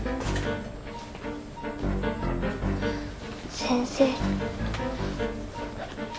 先生